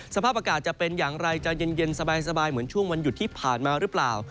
สภาพอากาศจะเป็นอย่างไรจะเย็นสบายเหมือนช่วงวันหยุดที่ผ่านมาหรือเปล่า